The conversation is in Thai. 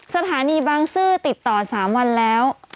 สถานีบางซื่อติดต่อ๓วันแล้ว